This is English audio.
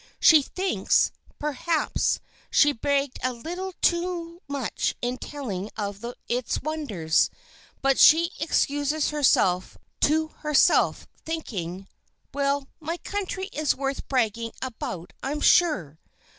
She thinks, perhaps, she bragged a little too much in telling of its wonders, but she excuses herself to herself, thinking, "Well, my country is worth bragging about, I'm sure."